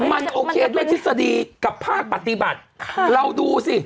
มันโอเคด้วยทฤษฎีกับภาคปฏิบัติค่ะเราดูสิ